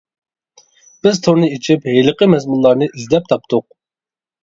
بىز تورنى ئېچىپ، ھېلىقى مەزمۇنلارنى ئىزدەپ تاپتۇق.